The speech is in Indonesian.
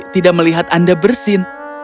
tidak melihat anda bersin